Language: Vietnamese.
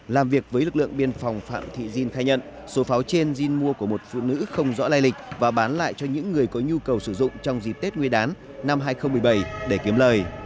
làm việc với lực lượng biên phòng phạm thị diên khai nhận số pháo trên din mua của một phụ nữ không rõ lai lịch và bán lại cho những người có nhu cầu sử dụng trong dịp tết nguyên đán năm hai nghìn một mươi bảy để kiếm lời